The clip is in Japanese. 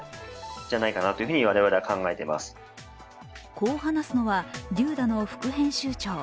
こう話すのはｄｏｄａの副編集長。